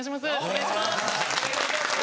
お願いします。